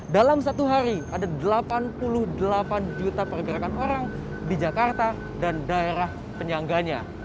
dalam satu hari ada delapan puluh delapan juta pergerakan orang di jakarta dan daerah penyangganya